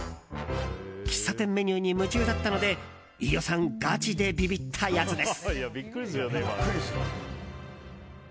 喫茶店メニューに夢中だったので飯尾さんガチでビビったやつです。